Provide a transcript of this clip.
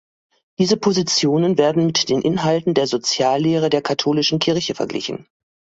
Diese Positionen werden mit den Inhalten der Soziallehre der katholischen Kirche verglichen.